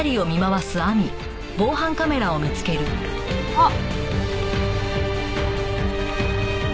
あっ！